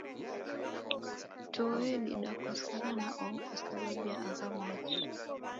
Toe didakosana na oho kwasababu ya agha machi